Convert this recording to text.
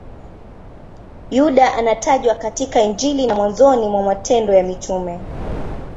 Yuda anatajwa katika Injili na mwanzoni mwa Matendo ya Mitume.